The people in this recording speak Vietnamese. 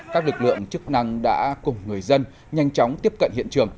các lực lượng chức năng đã cùng người dân nhanh chóng tiếp cận hiện trường